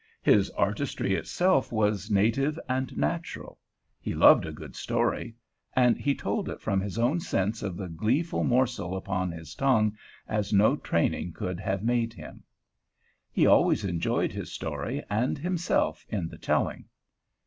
His artistry itself was native and natural. He loved a good story, and he told it from his own sense of the gleeful morsel upon his tongue as no training could have made him. He always enjoyed his story and himself in the telling.